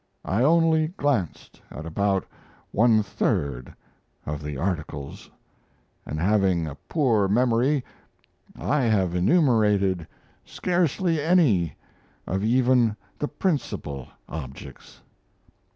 I only glanced at about one third of the articles; and, having a poor memory, I have enumerated scarcely any of even the principal objects.